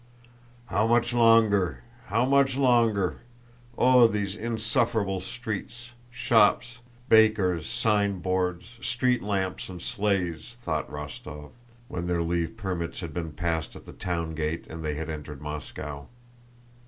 "How much longer? How much longer? Oh, these insufferable streets, shops, bakers' signboards, street lamps, and sleighs!" thought Rostóv, when their leave permits had been passed at the town gate and they had entered Moscow.